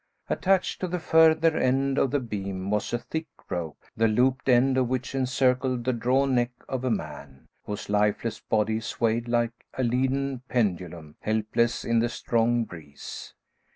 Attached to the further end of the beam was a thick rope, the looped end of which encircled the drawn neck of a man, whose lifeless body swayed like a leaden pendulum, helpless in the strong breeze.